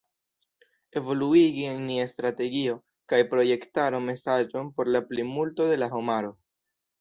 Evoluigi en nia strategio kaj projektaro mesaĝon por la plimulto de la homaro."